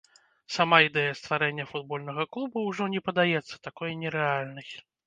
Сама ідэя стварэння футбольнага клуба ўжо не падаецца такой нерэальнай.